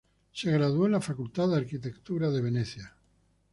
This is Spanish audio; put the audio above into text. Se graduó en la facultad de arquitectura de Venecia.